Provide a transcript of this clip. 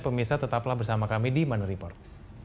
pemirsa tetaplah bersama kami di mana report